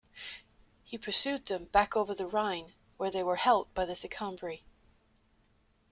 He pursued them back over the Rhine where they were helped by the Sicambri.